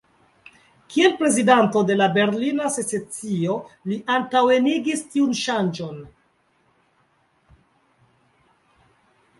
Kiel prezidanto de la "Berlina secesio" li antaŭenigis tiun ŝanĝon.